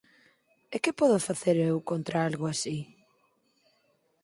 E que podo facer eu contra algo así?